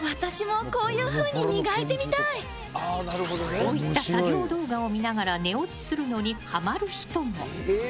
こういった作業動画を見ながら寝落ちするのにハマる人も。